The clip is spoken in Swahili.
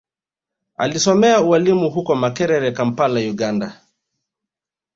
Alisomea ualimu huko Makerere Kampala Uganda